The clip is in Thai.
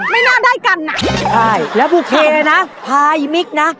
ไม่น่าได้กันอ่ะใช่แล้วโอเคเลยนะพายมิกนะ